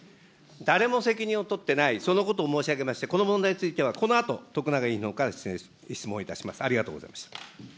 誰も責任を取ってない、そのことを申し上げまして、この問題については、このあと、徳永議員のほうから質問いたします。